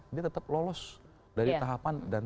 dia tetap lolos dari tahapan